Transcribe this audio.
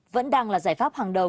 vẫn đang là giải pháp hàng đầu